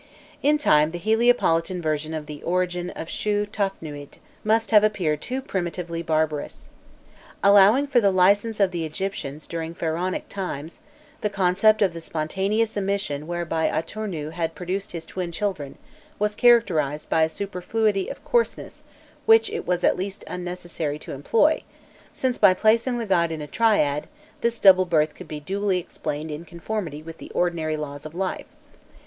In time the Heliopolitan version of the origin of Shû Tafnûît must have appeared too primitively barbarous. Allowing for the licence of the Egyptians during Pharaonic times, the concept of the spontaneous emission whereby Atûrnû had produced his twin children was characterized by a superfluity of coarseness which it was at least unnecessary to employ, since by placing the god in a triad, this double birth could be duly explained in conformity with the ordinary laws of life.